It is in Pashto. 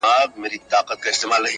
• بل به څوک وي پر دنیا تر ما ښاغلی -